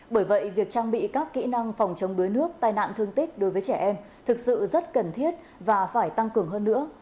bởi vậy việc trang bị các kỹ năng phòng chống đuối nước tai nạn thương tích đối với trẻ em thực sự rất cần thiết và phải tăng cường hơn nữa